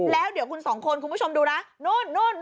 แล้วเดี๋ยวคุณสองคนคุณผู้ชมดูนะนู่น